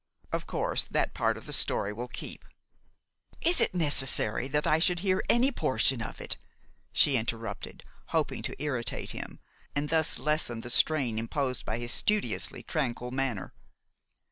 Of course, that part of the story will keep " "Is it necessary that I should hear any portion of it?" she interrupted, hoping to irritate him, and thus lessen the strain imposed by his studiously tranquil manner.